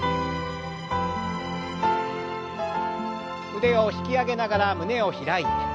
腕を引き上げながら胸を開いて。